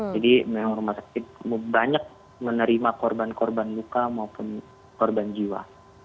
jadi memang rumah sakit banyak menerima korban korban muka maupun korban jiwa